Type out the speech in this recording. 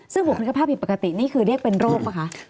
ซึ่งบุคลิกภาพผิดปกตินี่คือเรียกเป็นโรคป่ะคะ